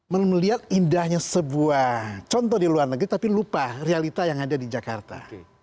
melihat indahnya sebuah contoh di luar negeri tapi lupa realita yang ada di jakarta